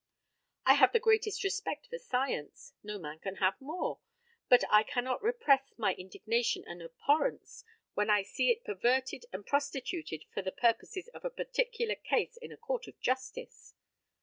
I have the greatest respect for science. No man can have more. But I cannot repress my indignation and abhorrence when I see it perverted and prostituted for the purposes of a particular case in a court of justice.